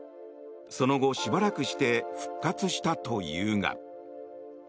その後、しばらくして復活したというが。